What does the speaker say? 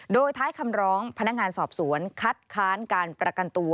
โดยท้ายคำร้องพนักงานสอบสวนคัดค้านการประกันตัว